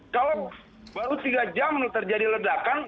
kalau baru tiga jam terjadi ledakan